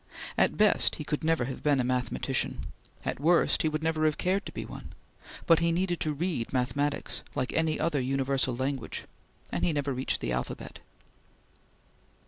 At best he could never have been a mathematician; at worst he would never have cared to be one; but he needed to read mathematics, like any other universal language, and he never reached the alphabet.